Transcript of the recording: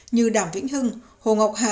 như đàm vĩnh hưng hồ ngọc hà